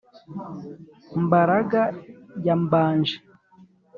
mbaraga ya mbanje